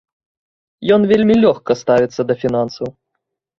Ён вельмі лёгка ставіцца да фінансаў.